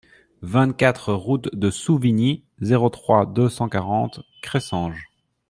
vingt-quatre route de Souvigny, zéro trois, deux cent quarante, Cressanges